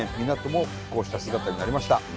港も復興した姿になりました。